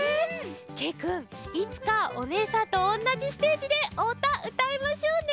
けいくんいつかおねえさんとおんなじステージでおうたうたいましょうね！